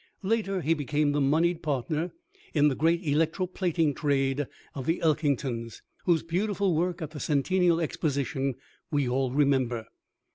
Later he became the moneyed partner in the great electro plating trade of the Elkingtons, whose beautiful work at the Centennial Exposition we all remember.